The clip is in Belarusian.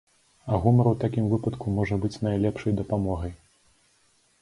А гумар у такім выпадку можа быць найлепшай дапамогай.